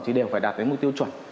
thì đều phải đạt đến mục tiêu chuẩn